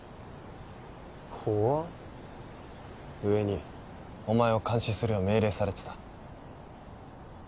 上におまえを監視するよう命令されてた。